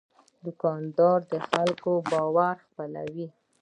دوکاندار د خلکو باور خپلوي.